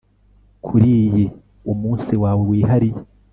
kuri iyi, umunsi wawe wihariye